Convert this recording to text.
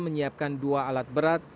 menyiapkan dua alat berat